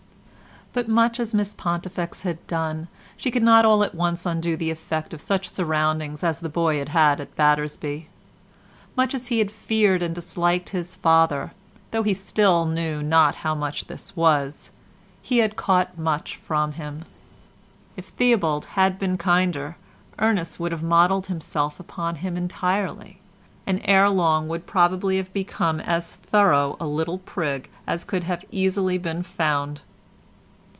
But much as Miss Pontifex had done, she could not all at once undo the effect of such surroundings as the boy had had at Battersby. Much as he feared and disliked his father (though he still knew not how much this was), he had caught much from him; if Theobald had been kinder Ernest would have modelled himself upon him entirely, and ere long would probably have become as thorough a little prig as could have easily been found.